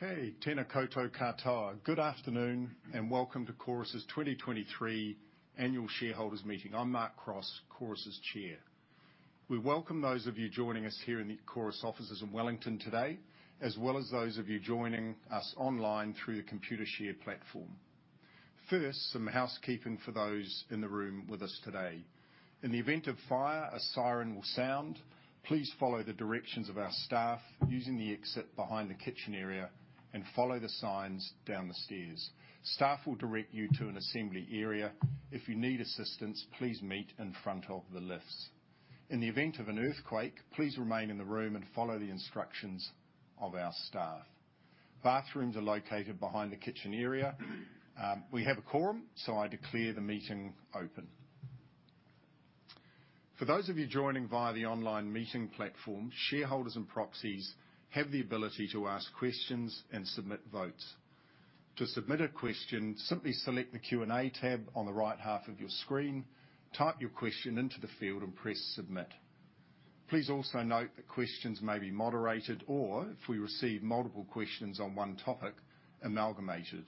Okay, tena koutou katoa. Good afternoon, and welcome to Chorus's 2023 annual shareholders meeting. I'm Mark Cross, Chorus's Chair. We welcome those of you joining us here in the Chorus offices in Wellington today, as well as those of you joining us online through the Computershare platform. First, some housekeeping for those in the room with us today. In the event of fire, a siren will sound. Please follow the directions of our staff using the exit behind the kitchen area and follow the signs down the stairs. Staff will direct you to an assembly area. If you need assistance, please meet in front of the lifts. In the event of an earthquake, please remain in the room and follow the instructions of our staff. Bathrooms are located behind the kitchen area. We have a quorum, so I declare the meeting open. For those of you joining via the online meeting platform, shareholders and proxies have the ability to ask questions and submit votes. To submit a question, simply select the Q&A tab on the right half of your screen, type your question into the field, and press Submit. Please also note that questions may be moderated or, if we receive multiple questions on one topic, amalgamated.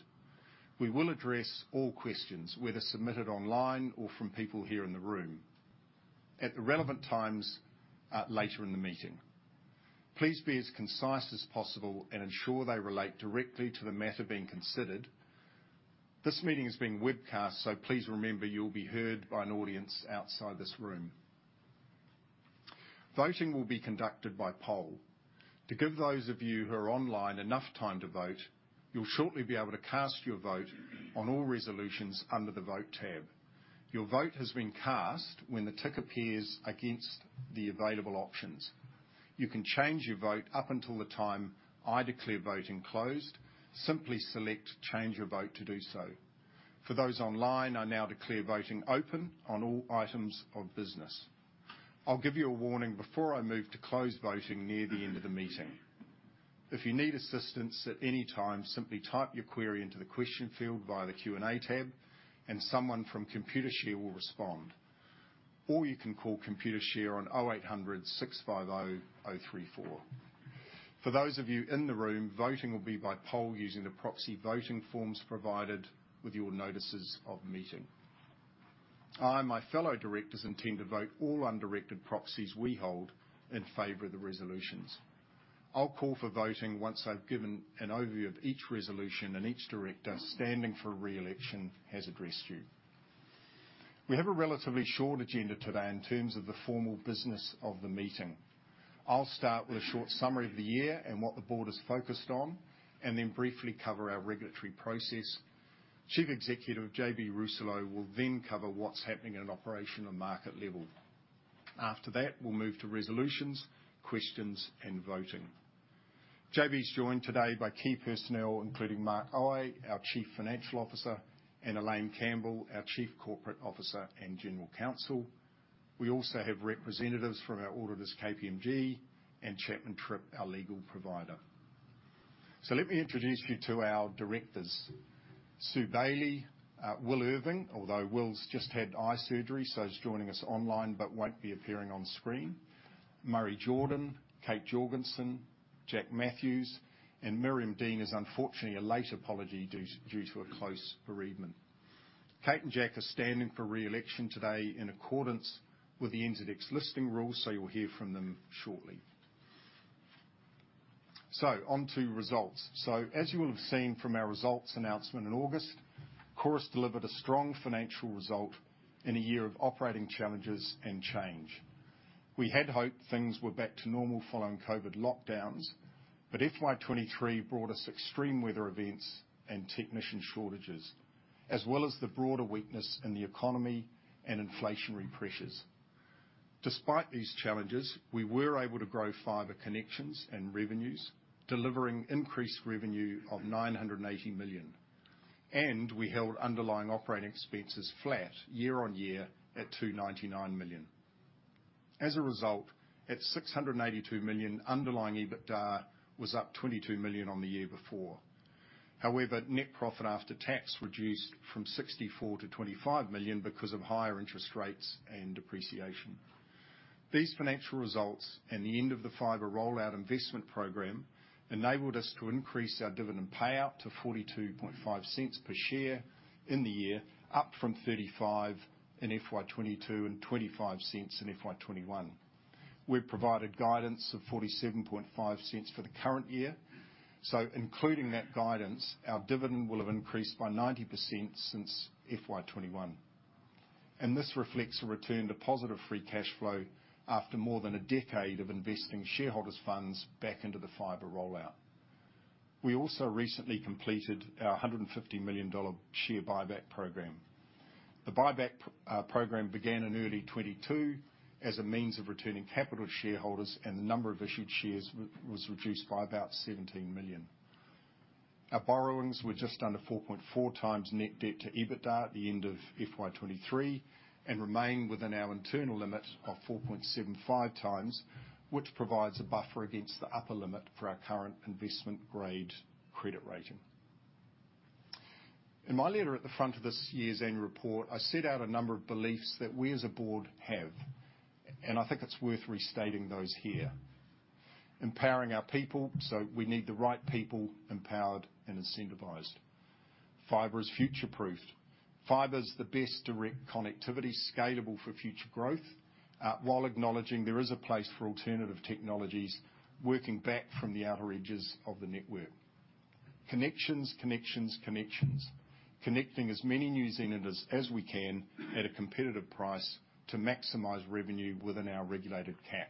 We will address all questions, whether submitted online or from people here in the room, at the relevant times, later in the meeting. Please be as concise as possible and ensure they relate directly to the matter being considered. This meeting is being webcast, so please remember you'll be heard by an audience outside this room. Voting will be conducted by poll. To give those of you who are online enough time to vote, you'll shortly be able to cast your vote on all resolutions under the Vote tab. Your vote has been cast when the tick appears against the available options. You can change your vote up until the time I declare voting closed. Simply select Change Your Vote to do so. For those online, I now declare voting open on all items of business. I'll give you a warning before I move to close voting near the end of the meeting. If you need assistance at any time, simply type your query into the question field via the Q&A tab, and someone from Computershare will respond. Or you can call Computershare on 0800 650 034. For those of you in the room, voting will be by poll using the proxy voting forms provided with your notices of meeting. I and my fellow directors intend to vote all undirected proxies we hold in favor of the resolutions. I'll call for voting once I've given an overview of each resolution and each director standing for re-election has addressed you. We have a relatively short agenda today in terms of the formal business of the meeting. I'll start with a short summary of the year and what the board is focused on, and then briefly cover our regulatory process. Chief Executive JB Rousselot will then cover what's happening at an operational and market level. After that, we'll move to resolutions, questions, and voting. JB's joined today by key personnel, including Mark Aue, our Chief Financial Officer, and Elaine Campbell, our Chief Corporate Officer and General Counsel. We also have representatives from our auditors, KPMG, and Chapman Tripp, our legal provider. So let me introduce you to our directors. Sue Bailey, Will Irving, although Will's just had eye surgery, so he's joining us online but won't be appearing on screen. Murray Jordan, Kate Jorgensen, Jack Matthews, and Miriam Dean is unfortunately a late apology due to a close bereavement. Kate and Jack are standing for re-election today in accordance with the NZX listing rules, so you'll hear from them shortly. So on to results. So as you will have seen from our results announcement in August, Chorus delivered a strong financial result in a year of operating challenges and change. We had hoped things were back to normal following COVID lockdowns, but FY 2023 brought us extreme weather events and technician shortages, as well as the broader weakness in the economy and inflationary pressures. Despite these challenges, we were able to grow fiber connections and revenues, delivering increased revenue of 980 million, and we held underlying operating expenses flat year-over-year at 299 million. As a result, at 682 million, underlying EBITDA was up 22 million on the year before. However, net profit after tax reduced from 64 million to 25 million because of higher interest rates and depreciation. These financial results and the end of the fiber rollout investment program enabled us to increase our dividend payout to 0.425 per share in the year, up from 0.35 in FY 2022 So including that guidance, our dividend will have increased by 90% since FY 2021, and this reflects a return to positive free cash flow after more than a decade of investing shareholders' funds back into the fiber rollout. We also recently completed our 150 million dollar share buyback program. The buyback program began in early 2022 as a means of returning capital to shareholders, and the number of issued shares was reduced by about 17 million. Our borrowings were just under 4.4 times net debt to EBITDA at the end of FY 2023 and remain within our internal limit of 4.75 times, which provides a buffer against the upper limit for our current investment-grade credit rating. In my letter at the front of this year's annual report, I set out a number of beliefs that we, as a board, have, and I think it's worth restating those here. Empowering our people, so we need the right people, empowered and incentivized. Fiber is future-proofed. Fiber is the best direct connectivity, scalable for future growth, while acknowledging there is a place for alternative technologies working back from the outer edges of the network. Connections, connections, connections. Connecting as many New Zealanders as we can at a competitive price to maximize revenue within our regulated cap.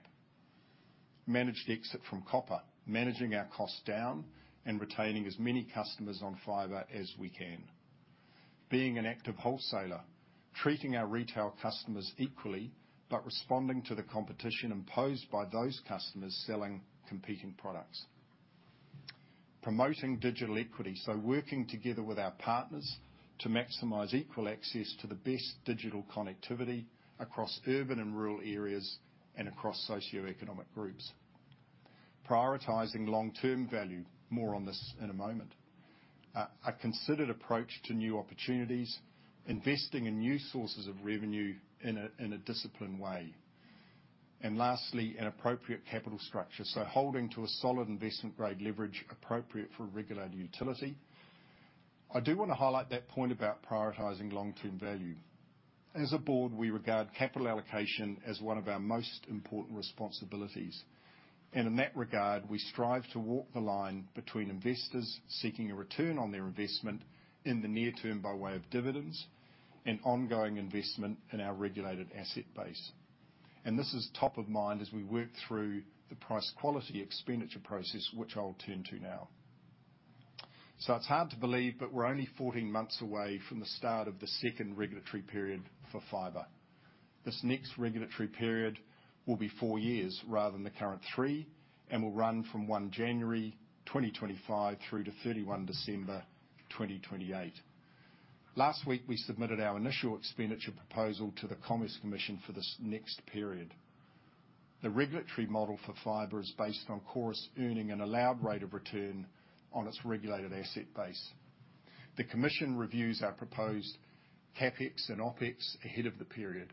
Managed exit from copper, managing our costs down and retaining as many customers on fiber as we can. Being an active wholesaler, treating our retail customers equally, but responding to the competition imposed by those customers selling competing products. Promoting digital equity, so working together with our partners to maximize equal access to the best digital connectivity across urban and rural areas and across socioeconomic groups. Prioritizing long-term value. More on this in a moment. A considered approach to new opportunities, investing in new sources of revenue in a disciplined way, and lastly, an appropriate capital structure, so holding to a solid investment-grade leverage appropriate for a regulated utility. I do want to highlight that point about prioritizing long-term value. As a board, we regard capital allocation as one of our most important responsibilities, and in that regard, we strive to walk the line between investors seeking a return on their investment in the near term, by way of dividends and ongoing investment in our regulated asset base. This is top of mind as we work through the price quality expenditure process, which I'll turn to now. It's hard to believe, but we're only 14 months away from the start of the second regulatory period for fiber. This next regulatory period will be 4 years rather than the current 3, and will run from 1 January 2025 through to 31 December 2028. Last week, we submitted our initial expenditure proposal to the Commerce Commission for this next period. The regulatory model for fiber is based on Chorus earning an allowed rate of return on its regulated asset base. The commission reviews our proposed CapEx and OpEx ahead of the period.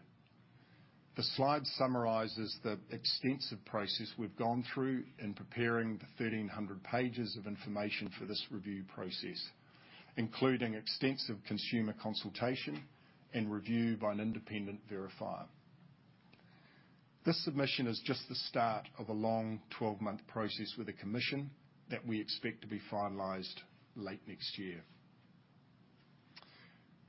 The slide summarizes the extensive process we've gone through in preparing the 1,300 pages of information for this review process, including extensive consumer consultation and review by an independent verifier. This submission is just the start of a long, 12-month process with the commission that we expect to be finalized late next year.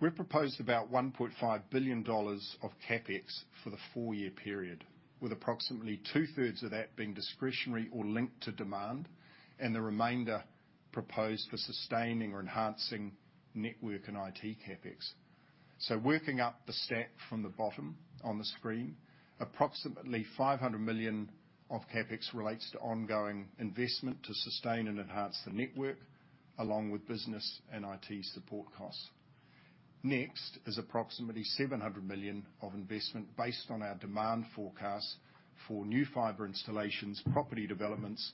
We've proposed about 1.5 billion dollars of CapEx for the 4-year period, with approximately two-thirds of that being discretionary or linked to demand, and the remainder proposed for sustaining or enhancing network and IT CapEx. So working up the stack from the bottom on the screen, approximately 500 million of CapEx relates to ongoing investment to sustain and enhance the network, along with business and IT support costs. Next is approximately 700 million of investment based on our demand forecast for new fiber installations, property developments,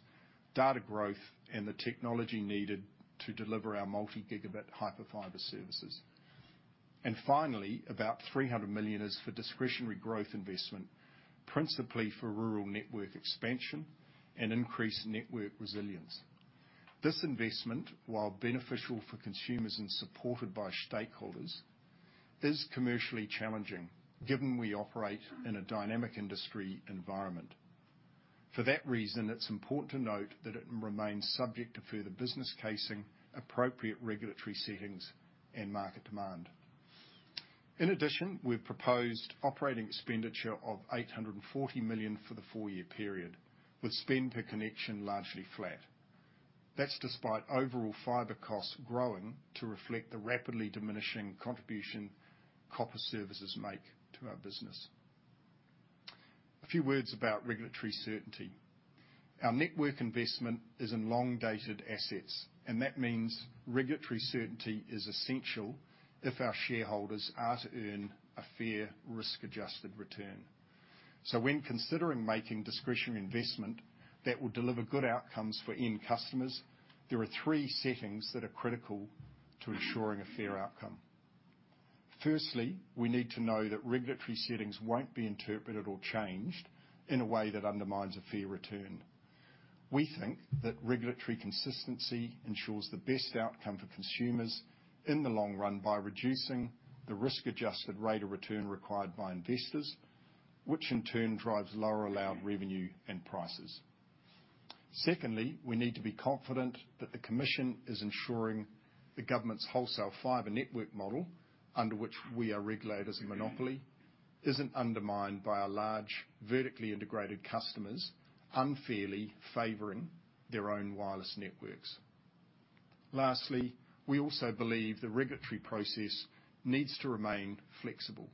data growth, and the technology needed to deliver our multi-gigabit Hyper Fiber services. And finally, about 300 million is for discretionary growth investment, principally for rural network expansion and increased network resilience. This investment, while beneficial for consumers and supported by stakeholders, is commercially challenging given we operate in a dynamic industry environment. For that reason, it's important to note that it remains subject to further business case, appropriate regulatory settings, and market demand. In addition, we've proposed operating expenditure of 840 million for the four-year period, with spend per connection largely flat. That's despite overall fiber costs growing to reflect the rapidly diminishing contribution copper services make to our business. A few words about regulatory certainty. Our network investment is in long-dated assets, and that means regulatory certainty is essential if our shareholders are to earn a fair risk-adjusted return. So when considering making discretionary investment, that will deliver good outcomes for end customers, there are three settings that are critical to ensuring a fair outcome. Firstly, we need to know that regulatory settings won't be interpreted or changed in a way that undermines a fair return. We think that regulatory consistency ensures the best outcome for consumers in the long run by reducing the risk-adjusted rate of return required by investors, which in turn drives lower allowed revenue and prices. Secondly, we need to be confident that the commission is ensuring the government's wholesale fiber network model, under which we are regulators of monopoly, isn't undermined by our large, vertically integrated customers unfairly favoring their own wireless networks. Lastly, we also believe the regulatory process needs to remain flexible.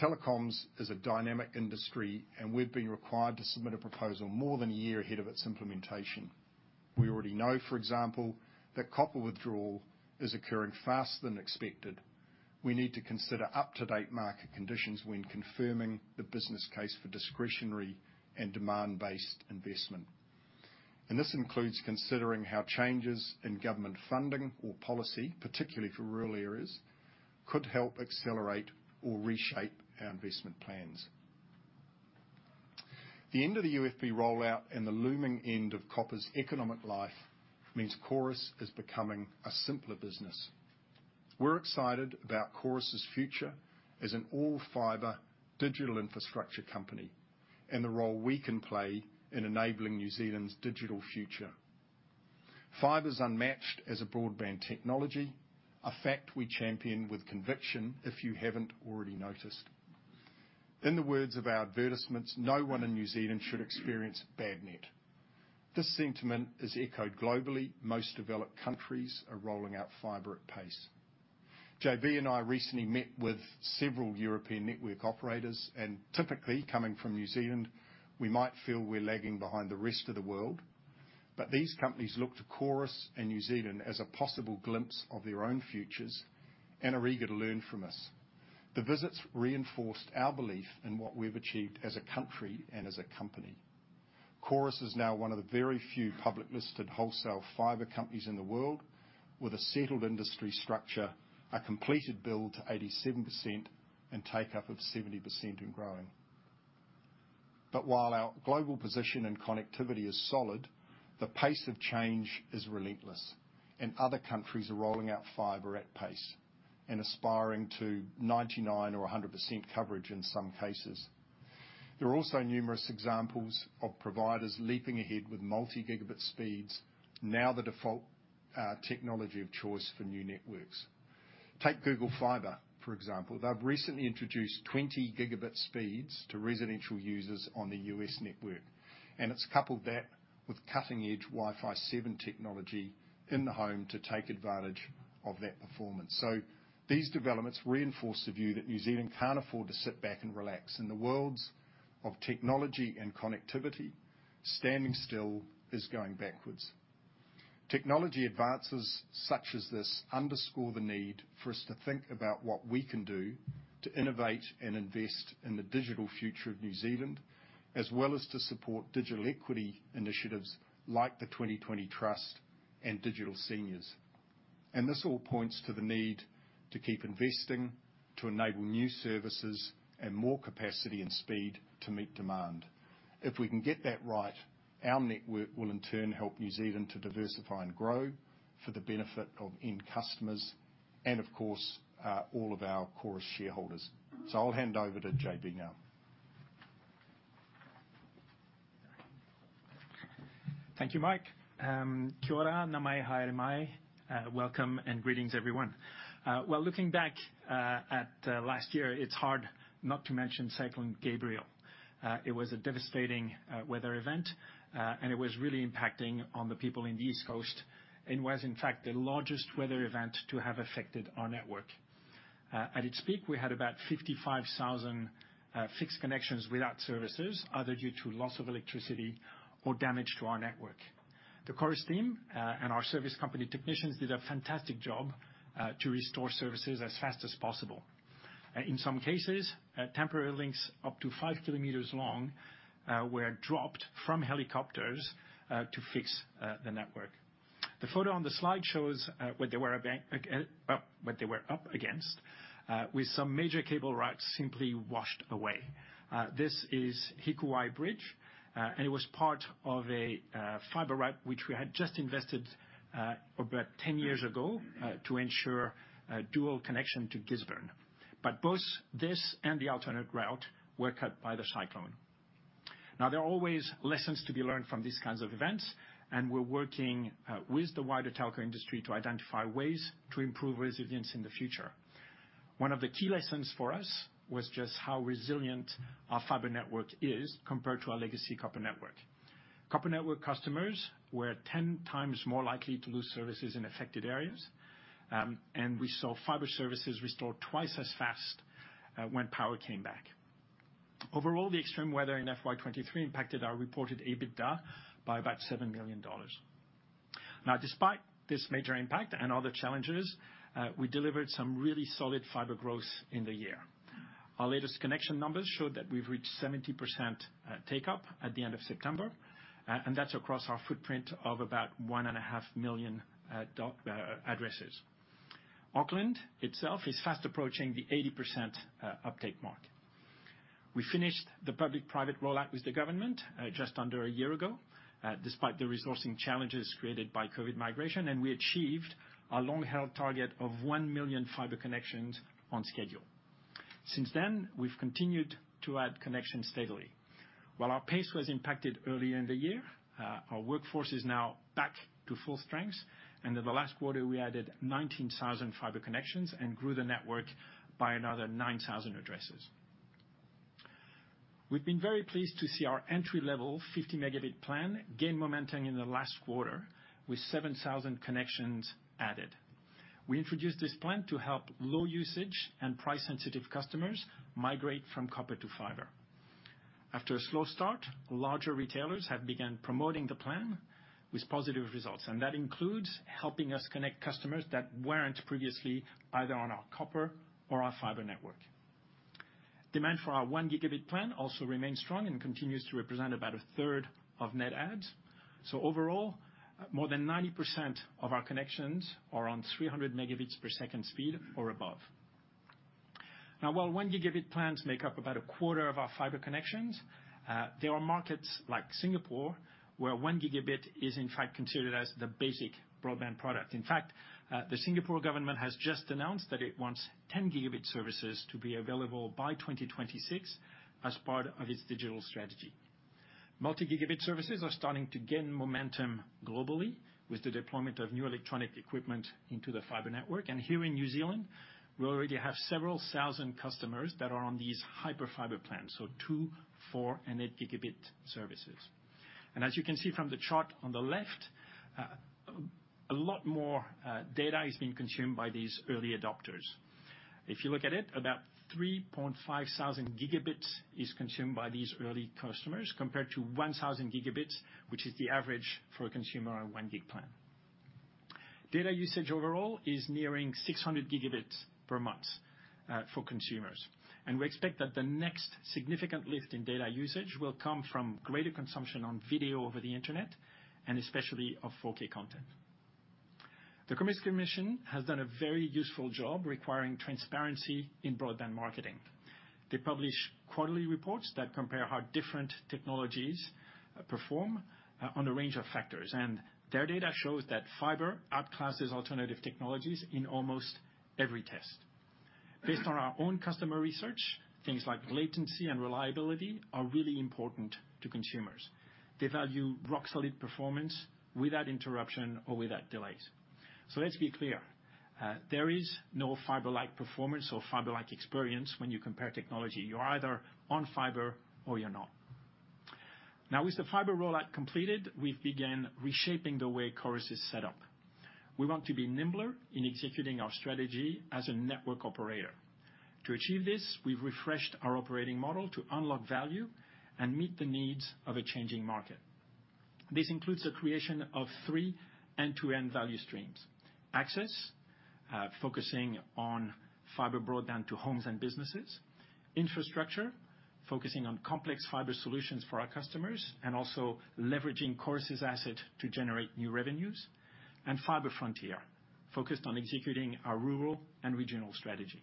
Telecoms is a dynamic industry, and we've been required to submit a proposal more than a year ahead of its implementation. We already know, for example, that copper withdrawal is occurring faster than expected. We need to consider up-to-date market conditions when confirming the business case for discretionary and demand-based investment... and this includes considering how changes in government funding or policy, particularly for rural areas, could help accelerate or reshape our investment plans. The end of the UFB rollout and the looming end of copper's economic life means Chorus is becoming a simpler business. We're excited about Chorus's future as an all-fiber digital infrastructure company, and the role we can play in enabling New Zealand's digital future. Fiber's unmatched as a broadband technology, a fact we champion with conviction, if you haven't already noticed. In the words of our advertisements, no one in New Zealand should experience bad net. This sentiment is echoed globally. Most developed countries are rolling out fiber at pace. JB and I recently met with several European network operators, and typically, coming from New Zealand, we might feel we're lagging behind the rest of the world, but these companies look to Chorus and New Zealand as a possible glimpse of their own futures and are eager to learn from us. The visits reinforced our belief in what we've achieved as a country and as a company. Chorus is now one of the very few public-listed wholesale fiber companies in the world, with a settled industry structure, a completed build to 87% and take-up of 70% and growing. But while our global position and connectivity is solid, the pace of change is relentless, and other countries are rolling out fiber at pace and aspiring to 99% or 100% coverage in some cases. There are also numerous examples of providers leaping ahead with multi-gigabit speeds, now the default technology of choice for new networks. Take Google Fiber, for example. They've recently introduced 20-gigabit speeds to residential users on the U.S. network, and it's coupled that with cutting-edge Wi-Fi 7 technology in the home to take advantage of that performance. So these developments reinforce the view that New Zealand can't afford to sit back and relax. In the worlds of technology and connectivity, standing still is going backwards. Technology advances such as this underscore the need for us to think about what we can do to innovate and invest in the digital future of New Zealand, as well as to support digital equity initiatives like the 20/20 Trust and Digital Seniors. This all points to the need to keep investing, to enable new services and more capacity and speed to meet demand. If we can get that right, our network will, in turn, help New Zealand to diversify and grow for the benefit of end customers and, of course, all of our Chorus shareholders. So I'll hand over to JB now. Thank you, Mark. Kia ora, Ngā mihi nui, welcome and greetings, everyone. Well, looking back at last year, it's hard not to mention Cyclone Gabrielle. It was a devastating weather event, and it was really impacting on the people in the East Coast and was, in fact, the largest weather event to have affected our network. At its peak, we had about 55,000 fixed connections without services, either due to loss of electricity or damage to our network. The Chorus team and our service company technicians did a fantastic job to restore services as fast as possible. In some cases, temporary links up to five kilometers long were dropped from helicopters to fix the network. The photo on the slide shows, what they were a bank, what they were up against, with some major cable routes simply washed away. This is Hikuwai Bridge, and it was part of a, fiber route, which we had just invested, about 10 years ago, to ensure a dual connection to Gisborne. But both this and the alternate route were cut by the cyclone. Now, there are always lessons to be learned from these kinds of events, and we're working, with the wider telco industry to identify ways to improve resilience in the future. One of the key lessons for us was just how resilient our fiber network is compared to our legacy copper network. Copper network customers were 10 times more likely to lose services in affected areas, and we saw fiber services restored twice as fast, when power came back. Overall, the extreme weather in FY 2023 impacted our reported EBITDA by about 7 million dollars. Now, despite this major impact and other challenges, we delivered some really solid fiber growth in the year. Our latest connection numbers show that we've reached 70% take-up at the end of September, and that's across our footprint of about 1.5 million addresses. Auckland itself is fast approaching the 80% uptake mark. We finished the public-private rollout with the government just under a year ago, despite the resourcing challenges created by COVID migration, and we achieved our long-held target of 1 million fiber connections on schedule. Since then, we've continued to add connections steadily. While our pace was impacted early in the year, our workforce is now back to full strength, and in the last quarter, we added 19,000 fiber connections and grew the network by another 9,000 addresses. We've been very pleased to see our entry-level 50 Mbps plan gain momentum in the last quarter, with 7,000 connections added. We introduced this plan to help low-usage and price-sensitive customers migrate from copper to fiber. After a slow start, larger retailers have begun promoting the plan with positive results, and that includes helping us connect customers that weren't previously either on our copper or our fiber network. Demand for our 1 Gbps plan also remains strong and continues to represent about a third of net adds. So overall, more than 90% of our connections are on 300 Mbps speed or above. Now, while 1-gigabit plans make up about a quarter of our fiber connections, there are markets like Singapore, where 1 gigabit is, in fact, considered as the basic broadband product. In fact, the Singapore government has just announced that it wants 10-gigabit services to be available by 2026 as part of its digital strategy. Multi-gigabit services are starting to gain momentum globally with the deployment of new electronic equipment into the fiber network. And here in New Zealand, we already have several thousand customers that are on these Hyperfibre plans, so 2, 4, and 8-gigabit services. And as you can see from the chart on the left, a lot more data is being consumed by these early adopters. If you look at it, about 3,500 gigabits is consumed by these early customers, compared to 1,000 gigabits, which is the average for a consumer on a 1-gig plan. Data usage overall is nearing 600 gigabits per month for consumers, and we expect that the next significant lift in data usage will come from greater consumption on video over the internet and especially of 4K content. The Commerce Commission has done a very useful job requiring transparency in broadband marketing. They publish quarterly reports that compare how different technologies perform on a range of factors, and their data shows that fiber outclasses alternative technologies in almost every test. Based on our own customer research, things like latency and reliability are really important to consumers. They value rock-solid performance without interruption or without delay. So let's be clear, there is no fiber-like performance or fiber-like experience when you compare technology. You're either on fiber or you're not. Now, with the fiber rollout completed, we've begun reshaping the way Chorus is set up. We want to be nimbler in executing our strategy as a network operator. To achieve this, we've refreshed our operating model to unlock value and meet the needs of a changing market. This includes the creation of three end-to-end value streams: Access, focusing on fiber broadband to homes and businesses. Infrastructure, focusing on complex fiber solutions for our customers and also leveraging Chorus's asset to generate new revenues. And Fibre Frontier, focused on executing our rural and regional strategy.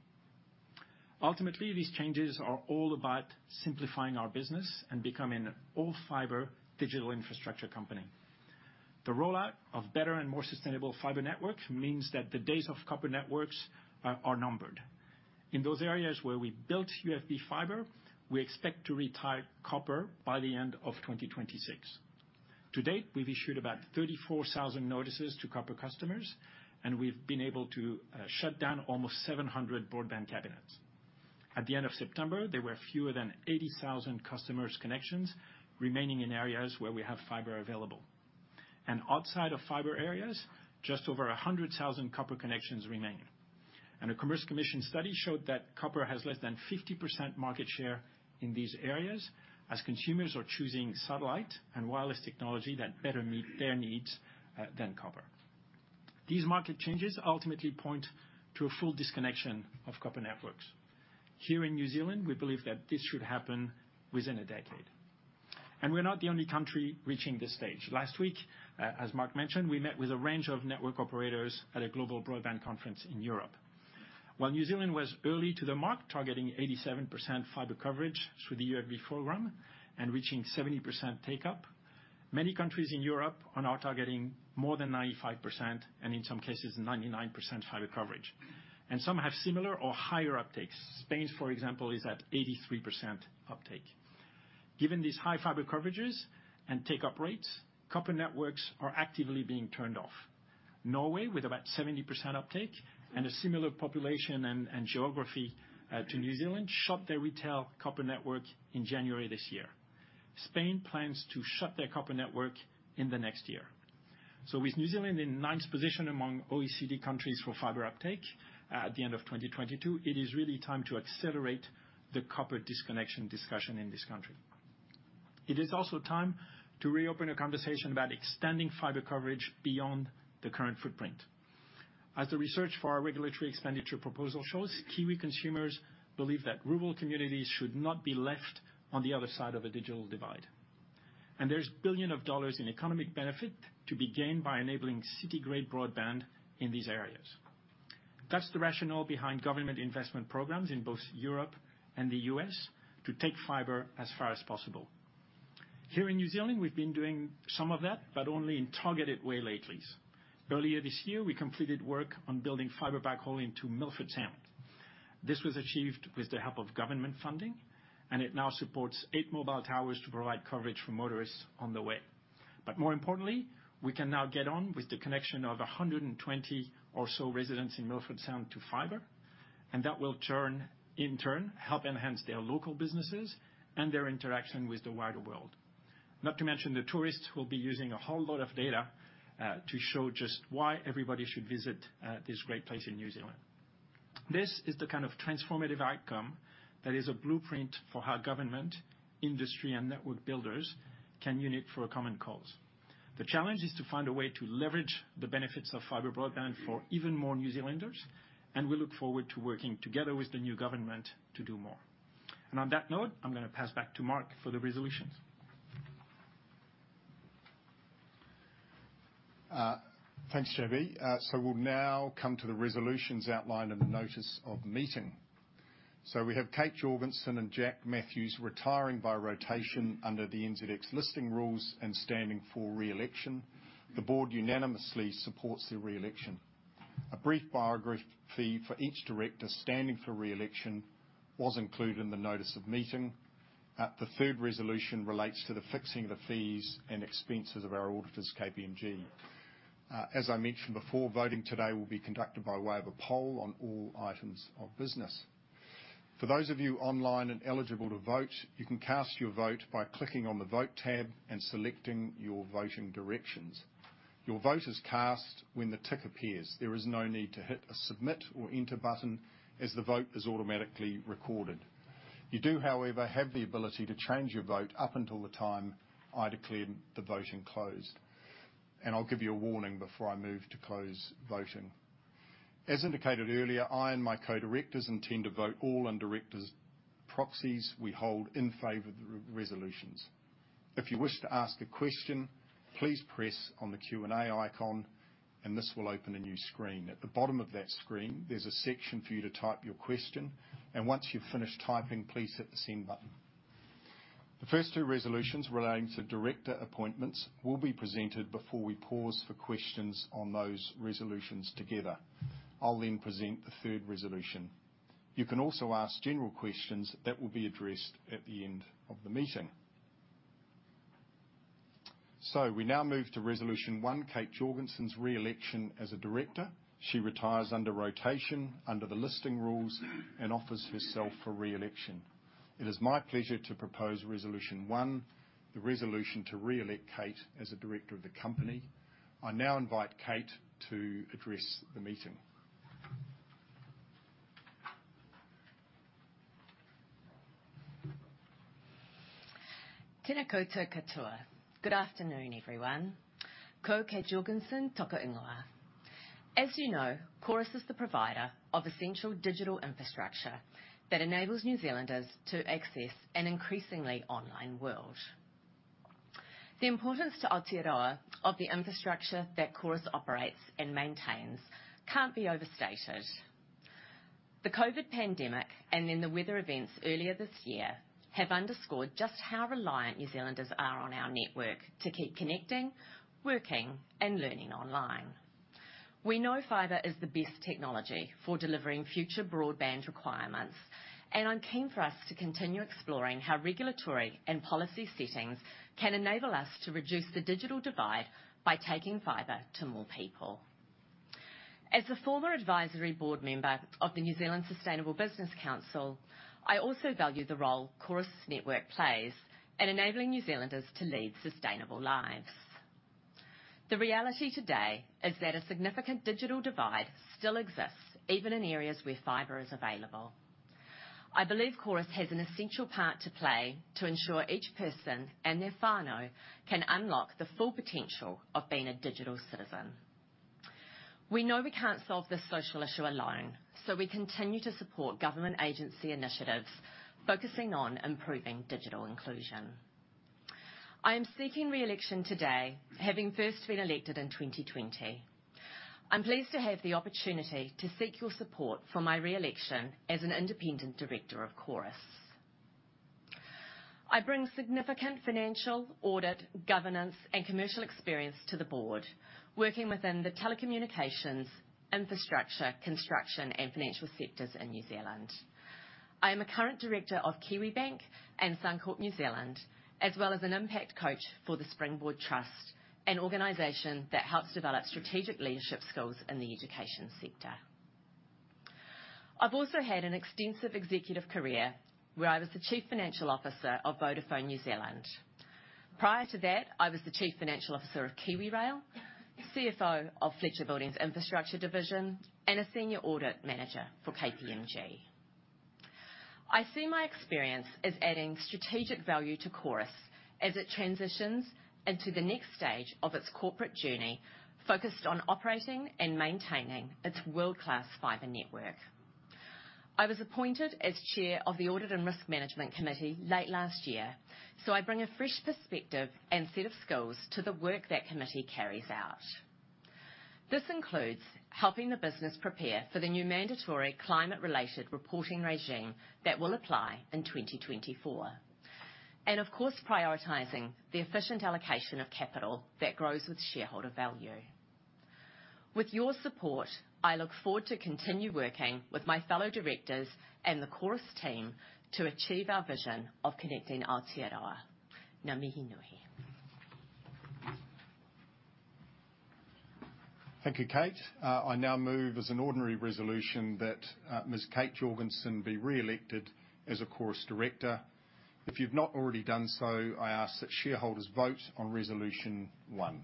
Ultimately, these changes are all about simplifying our business and becoming an all-fiber digital infrastructure company. The rollout of better and more sustainable fiber networks means that the days of copper networks are numbered. In those areas where we built UFB fiber, we expect to retire copper by the end of 2026. To date, we've issued about 34,000 notices to copper customers, and we've been able to shut down almost 700 broadband cabinets. At the end of September, there were fewer than 80,000 customers connections remaining in areas where we have fiber available, and outside of fiber areas, just over 100,000 copper connections remain. A Commerce Commission study showed that copper has less than 50% market share in these areas as consumers are choosing satellite and wireless technology that better meet their needs than copper. These market changes ultimately point to a full disconnection of copper networks. Here in New Zealand, we believe that this should happen within a decade, and we're not the only country reaching this stage. Last week, as Mark mentioned, we met with a range of network operators at a global broadband conference in Europe. While New Zealand was early to the mark, targeting 87% fiber coverage through the UFB program and reaching 70% take-up, many countries in Europe are now targeting more than 95%, and in some cases, 99% fiber coverage, and some have similar or higher uptakes. Spain, for example, is at 83% uptake. Given these high fiber coverages and take-up rates, copper networks are actively being turned off. Norway, with about 70% uptake and a similar population and geography to New Zealand, shut their retail copper network in January this year. Spain plans to shut their copper network in the next year. With New Zealand in ninth position among OECD countries for fiber uptake at the end of 2022, it is really time to accelerate the copper disconnection discussion in this country. It is also time to reopen a conversation about extending fiber coverage beyond the current footprint. As the research for our regulatory expenditure proposal shows, Kiwi consumers believe that rural communities should not be left on the other side of a digital divide, and there's 1 billion of dollars in economic benefit to be gained by enabling city-grade broadband in these areas. That's the rationale behind government investment programs in both Europe and the U.S. to take fiber as far as possible. Here in New Zealand, we've been doing some of that, but only in targeted way lately. Earlier this year, we completed work on building fiber backhaul into Milford Sound. This was achieved with the help of government funding, and it now supports eight mobile towers to provide coverage for motorists on the way. But more importantly, we can now get on with the connection of 120 or so residents in Milford Sound to fiber, and that will, in turn, help enhance their local businesses and their interaction with the wider world. Not to mention, the tourists will be using a whole lot of data to show just why everybody should visit this great place in New Zealand. This is the kind of transformative outcome that is a blueprint for how government, industry, and network builders can unite for a common cause. The challenge is to find a way to leverage the benefits of fiber broadband for even more New Zealanders, and we look forward to working together with the new government to do more. On that note, I'm going to pass back to Mark for the resolutions. Thanks, JB. So we'll now come to the resolutions outlined in the notice of meeting. We have Kate Jorgensen and Jack Matthews retiring by rotation under the NZX listing rules and standing for re-election. The board unanimously supports their re-election. A brief biography for each director standing for re-election was included in the notice of meeting. The third resolution relates to the fixing of the fees and expenses of our auditors, KPMG. As I mentioned before, voting today will be conducted by way of a poll on all items of business. For those of you online and eligible to vote, you can cast your vote by clicking on the Vote tab and selecting your voting directions. Your vote is cast when the tick appears. There is no need to hit a Submit or Enter button, as the vote is automatically recorded. You do, however, have the ability to change your vote up until the time I declare the voting closed, and I'll give you a warning before I move to close voting. As indicated earlier, I and my co-directors intend to vote all in directors' proxies we hold in favor of the re- resolutions. If you wish to ask a question, please press on the Q&A icon, and this will open a new screen. At the bottom of that screen, there's a section for you to type your question, and once you've finished typing, please hit the Send button. The first two resolutions relating to director appointments will be presented before we pause for questions on those resolutions together. I'll then present the third resolution. You can also ask general questions that will be addressed at the end of the meeting. We now move to resolution one: Kate Jorgensen's re-election as a director. She retires under rotation, under the listing rules, and offers herself for re-election. It is my pleasure to propose resolution one, the resolution to re-elect Kate as a director of the company. I now invite Kate to address the meeting. Tena koutou katoa. Good afternoon, everyone. Ko Kate Jorgensen toku ingoa. As you know, Chorus is the provider of essential digital infrastructure that enables New Zealanders to Access an increasingly online world. The importance to Aotearoa of the infrastructure that Chorus operates and maintains can't be overstated. The COVID pandemic and then the weather events earlier this year have underscored just how reliant New Zealanders are on our network to keep connecting, working, and learning online. We know fiber is the best technology for delivering future broadband requirements, and I'm keen for us to continue exploring how regulatory and policy settings can enable us to reduce the digital divide by taking fiber to more people. As a former advisory board member of the New Zealand Sustainable Business Council, I also value the role Chorus's network plays in enabling New Zealanders to lead sustainable lives. The reality today is that a significant digital divide still exists, even in areas where fiber is available. I believe Chorus has an essential part to play to ensure each person and their whanau can unlock the full potential of being a digital citizen. We know we can't solve this social issue alone, so we continue to support government agency initiatives focusing on improving digital inclusion. I am seeking re-election today, having first been elected in 2020. I'm pleased to have the opportunity to seek your support for my re-election as an independent director of Chorus. I bring significant financial, audit, governance, and commercial experience to the board, working within the telecommunications, infrastructure, construction, and financial sectors in New Zealand. I am a current director of Kiwibank and Suncorp New Zealand, as well as an impact coach for the Springboard Trust, an organization that helps develop strategic leadership skills in the education sector. I've also had an extensive executive career, where I was the chief financial officer of Vodafone New Zealand. Prior to that, I was the chief financial officer of KiwiRail, CFO of Fletcher Building's infrastructure division, and a senior audit manager for KPMG. I see my experience as adding strategic value to Chorus as it transitions into the next stage of its corporate journey, focused on operating and maintaining its world-class fiber network. I was appointed as chair of the Audit and Risk Management Committee late last year, so I bring a fresh perspective and set of skills to the work that committee carries out. This includes helping the business prepare for the new mandatory climate-related reporting regime that will apply in 2024, and of course, prioritizing the efficient allocation of capital that grows with shareholder value. With your support, I look forward to continue working with my fellow directors and the Chorus team to achieve our vision of connecting Aotearoa. Ngā mihi nui. Thank you, Kate. I now move as an ordinary resolution that, Ms. Kate Jorgensen be re-elected as a Chorus director. If you've not already done so, I ask that shareholders vote on resolution one...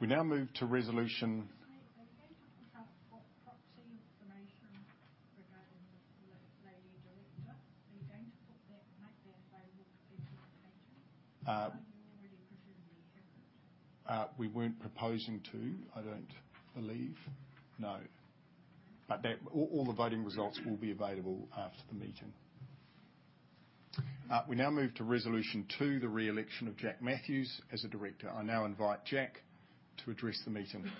We now move to resolution- Are you going to put up proxy information regarding the lady director? Are you going to put that, make that available to the page? Or you already presumably have it. We weren't proposing to, I don't believe. No. But that all the voting results will be available after the meeting. We now move to Resolution Two, the re-election of Jack Matthews as a director. I now invite Jack to address the meeting.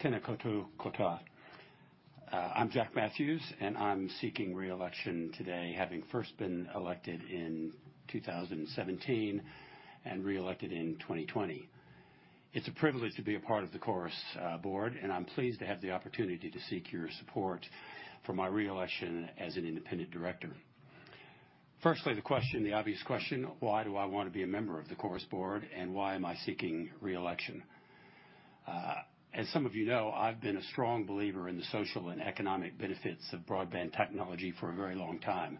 Tena koutou katoa. I'm Jack Matthews, and I'm seeking re-election today, having first been elected in 2017 and re-elected in 2020. It's a privilege to be a part of the Chorus board, and I'm pleased to have the opportunity to seek your support for my re-election as an independent director. Firstly, the question, the obvious question: Why do I want to be a member of the Chorus board, and why am I seeking re-election? As some of you know, I've been a strong believer in the social and economic benefits of broadband technology for a very long time.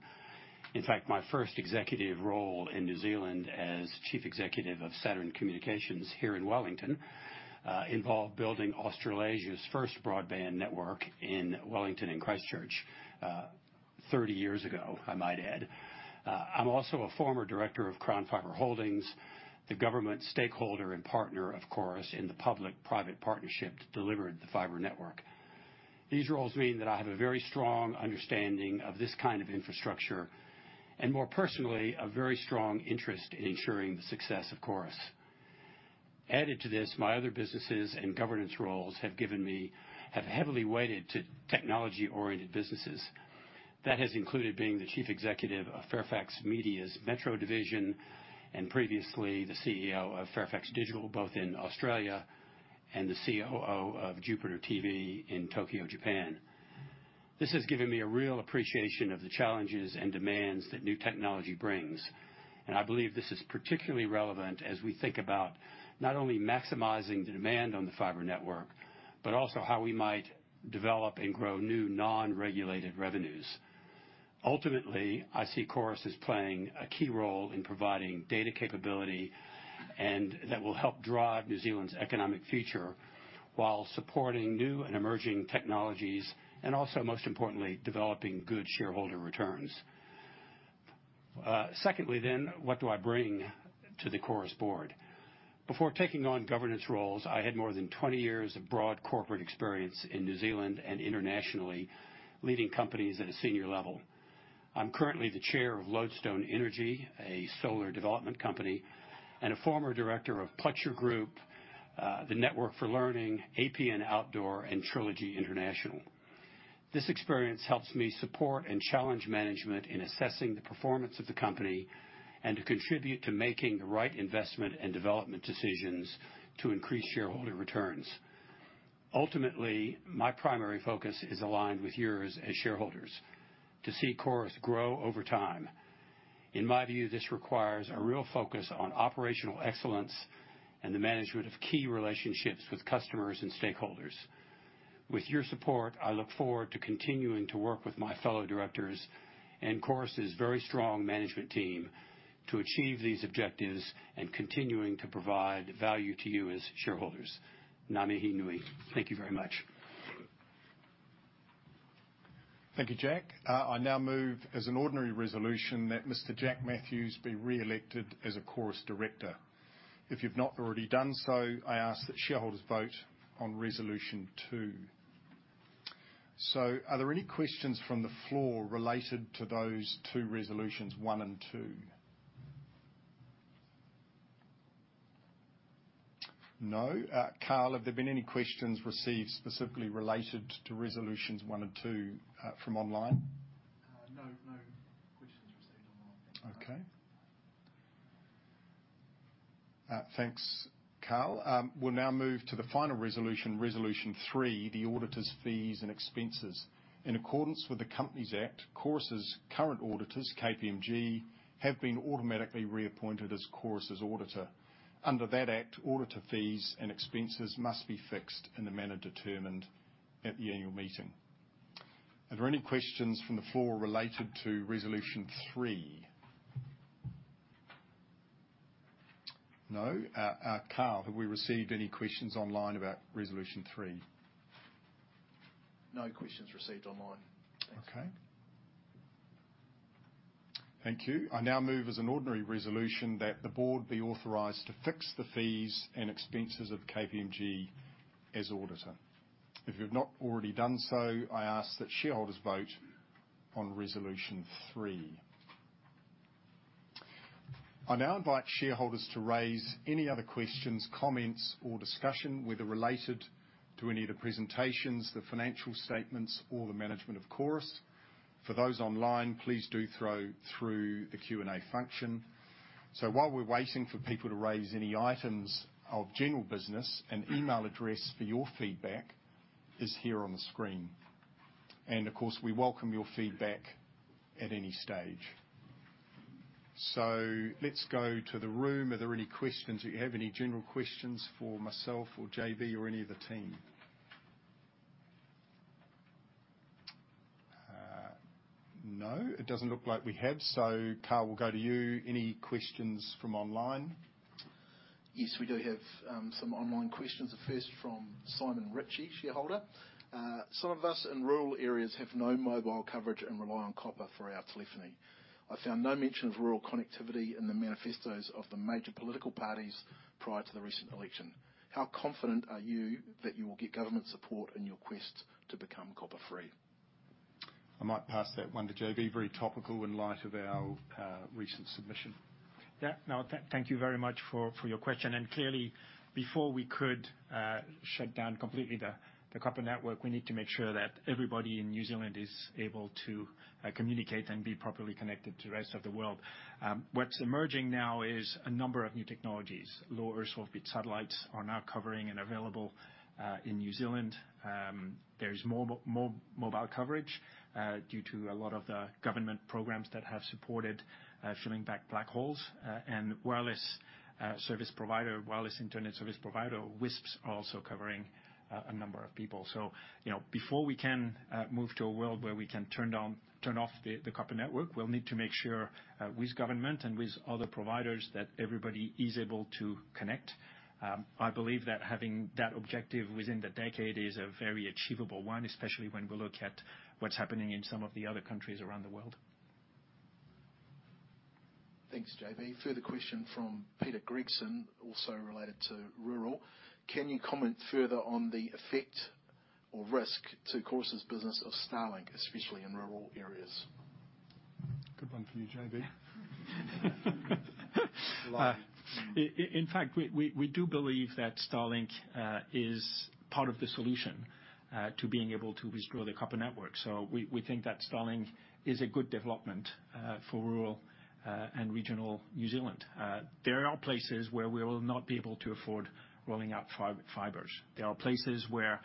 In fact, my first executive role in New Zealand as chief executive of Saturn Communications here in Wellington involved building Australasia's first broadband network in Wellington and Christchurch, 30 years ago, I might add. I'm also a former director of Crown Fibre Holdings, the government stakeholder and partner, of course, in the public-private partnership to deliver the fiber network. These roles mean that I have a very strong understanding of this kind of infrastructure and more personally, a very strong interest in ensuring the success of Chorus. Added to this, my other businesses and governance roles have given me heavily weighted to technology-oriented businesses. That has included being the chief executive of Fairfax Media's Metro division and previously the CEO of Fairfax Digital, both in Australia, and the COO of Jupiter TV in Tokyo, Japan. This has given me a real appreciation of the challenges and demands that new technology brings, and I believe this is particularly relevant as we think about not only maximizing the demand on the fiber network, but also how we might develop and grow new non-regulated revenues. Ultimately, I see Chorus as playing a key role in providing data capability, and that will help drive New Zealand's economic future while supporting new and emerging technologies, and also, most importantly, developing good shareholder returns. Secondly then, what do I bring to the Chorus board? Before taking on governance roles, I had more than 20 years of broad corporate experience in New Zealand and internationally, leading companies at a senior level. I'm currently the chair of Lodestone Energy, a solar development company, and a former director of Fletcher Building, the Network for Learning, APN Outdoor, and Trilogy International. This experience helps me support and challenge management in assessing the performance of the company and to contribute to making the right investment and development decisions to increase shareholder returns. Ultimately, my primary focus is aligned with yours as shareholders: to see Chorus grow over time. In my view, this requires a real focus on operational excellence and the management of key relationships with customers and stakeholders. With your support, I look forward to continuing to work with my fellow directors and Chorus's very strong management team to achieve these objectives and continuing to provide value to you as shareholders. Ngā mihi nui. Thank you very much. Thank you, Jack. I now move as an ordinary resolution that Mr. Jack Matthews be re-elected as a Chorus director. If you've not already done so, I ask that shareholders vote on Resolution 2. So are there any questions from the floor related to those two resolutions, 1 and 2? No. Carl, have there been any questions received specifically related to Resolutions 1 and 2, from online? No, no questions received online. Okay. Thanks, Carl. We'll now move to the final resolution, Resolution Three, the auditors' fees and expenses. In accordance with the Companies Act, Chorus's current auditors, KPMG, have been automatically reappointed as Chorus's auditor. Under that act, auditor fees and expenses must be fixed in a manner determined at the annual meeting. Are there any questions from the floor related to Resolution Three? No. Carl, have we received any questions online about Resolution Three? No questions received online. Okay. Thank you. I now move as an ordinary resolution that the board be authorized to fix the fees and expenses of KPMG as auditor. If you've not already done so, I ask that shareholders vote on Resolution Three. I now invite shareholders to raise any other questions, comments, or discussion, whether related to any of the presentations, the financial statements, or the management of Chorus. For those online, please do throw through the Q&A function. So while we're waiting for people to raise any items of general business, an email address for your feedback is here on the screen. And of course, we welcome your feedback at any stage. So let's go to the room. Are there any questions? Do you have any general questions for myself or JB or any of the team? No, it doesn't look like we have, so Carl, we'll go to you. Any questions from online? Yes, we do have some online questions. The first from Simon Ritchie, shareholder. "Some of us in rural areas have no mobile coverage and rely on copper for our telephony. I found no mention of rural connectivity in the manifestos of the major political parties prior to the recent election. How confident are you that you will get government support in your quest to become copper-free? I might pass that one to JB Very topical in light of our recent submission. Yeah. No, thank you very much for your question, and clearly, before we could shut down completely the copper network, we need to make sure that everybody in New Zealand is able to communicate and be properly connected to the rest of the world. What's emerging now is a number of new technologies. low Earth orbit satellites are now covering and available in New Zealand. There is more mobile coverage due to a lot of the government programs that have supported filling back black holes. And wireless service provider, wireless internet service provider, WISPs, are also covering a number of people. So, you know, before we can move to a world where we can turn down, turn off the copper network, we'll need to make sure with government and with other providers that everybody is able to connect. I believe that having that objective within the decade is a very achievable one, especially when we look at what's happening in some of the other countries around the world. Thanks, JB. Further question from Peter Gregson, also related to rural: "Can you comment further on the effect or risk to Chorus's business of Starlink, especially in rural areas? Good one for you, JB. In fact, we do believe that Starlink is part of the solution to being able to withdraw the copper network. So we think that Starlink is a good development for rural and regional New Zealand. There are places where we will not be able to afford rolling out fiber. There are places where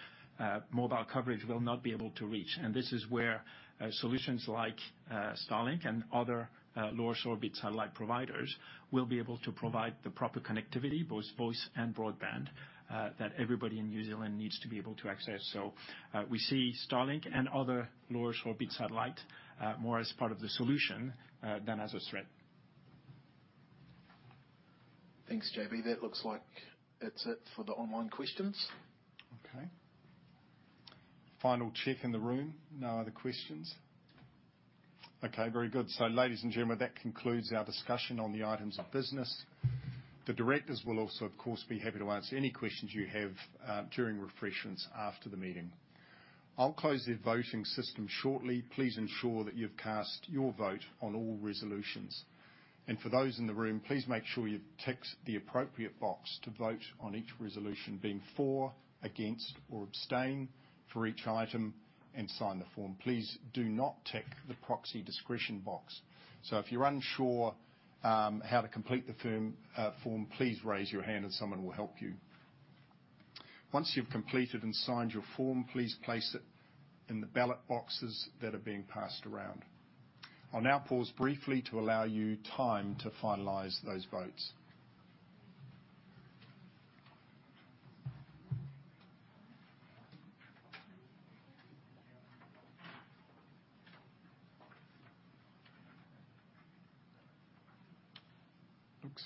mobile coverage will not be able to reach, and this is where solutions like Starlink and other Low Earth Orbit satellite providers will be able to provide the proper connectivity, both voice and broadband, that everybody in New Zealand needs to be able to Access. So we see Starlink and other Low Earth Orbit satellite more as part of the solution than as a threat. Thanks, JB That looks like that's it for the online questions. Okay. Final check in the room. No other questions? Okay, very good. So ladies and gentlemen, that concludes our discussion on the items of business. The directors will also, of course, be happy to answer any questions you have during refreshments after the meeting. I'll close the voting system shortly. Please ensure that you've cast your vote on all resolutions. And for those in the room, please make sure you tick the appropriate box to vote on each resolution, being for, against, or abstain for each item, and sign the form. Please do not tick the proxy discretion box. So if you're unsure how to complete the form, please raise your hand and someone will help you. Once you've completed and signed your form, please place it in the ballot boxes that are being passed around. I'll now pause briefly to allow you time to finalize those votes.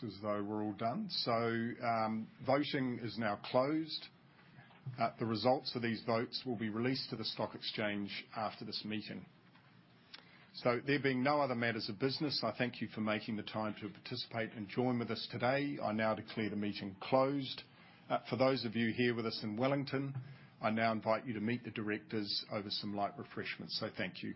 Looks as though we're all done, so voting is now closed. The results of these votes will be released to the stock exchange after this meeting. So there being no other matters of business, I thank you for making the time to participate and join with us today. I now declare the meeting closed. For those of you here with us in Wellington, I now invite you to meet the directors over some light refreshments. So thank you.